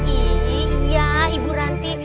iya ibu ranti